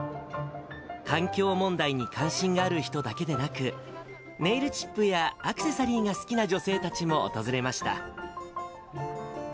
環境問題に関心がある人だけでなく、ネイルチップやアクセサリーが好きな女性たちも訪れました。